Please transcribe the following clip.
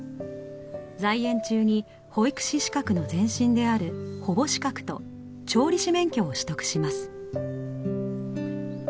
在園中に保育士資格の前身である保母資格と調理師免許を取得します。